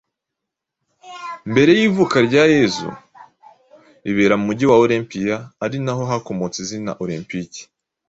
mbere y’ivuka rya Yezu. Ibera mu mugi wa Olempiya ari naho hakomotse izina Olempiki